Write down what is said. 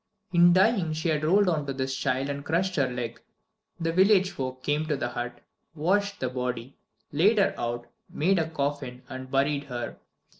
In dying she had rolled on to this child and crushed her leg. The village folk came to the hut, washed the body, laid her out, made a coffin, and buried her.